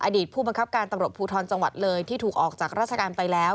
ผู้บังคับการตำรวจภูทรจังหวัดเลยที่ถูกออกจากราชการไปแล้ว